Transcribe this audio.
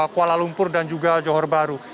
kedua jawa baru